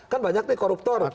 kan banyak nih koruptor